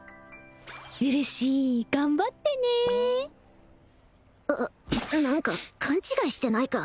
うるしー頑張ってね何か勘違いしてないか？